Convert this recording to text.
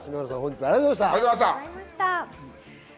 篠原さん、本日はありがとうございました。